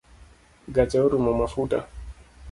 Gacha orumo mafuta